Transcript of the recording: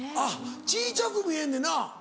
小ちゃく見えんねな。